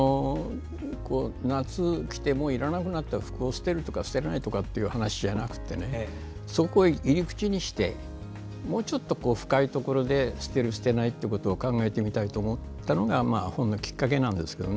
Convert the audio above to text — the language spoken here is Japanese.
夏着ていらなくなった服を捨てるとかじゃなくてそこを入り口にしてもうちょっと深いところで捨てる捨てないということを考えてみたのがきっかけなんですけど。